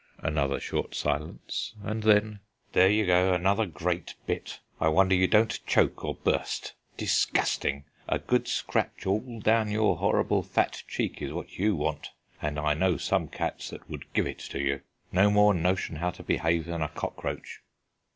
Another short silence, and then: "There you go another great bit. I wonder you don't choke or burst! Disgusting! A good scratch all down your horrible fat cheek is what you want, and I know some cats that would give it you. No more notion how to behave than a cockroach."